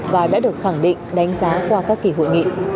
và đã được khẳng định đánh giá qua các kỳ hội nghị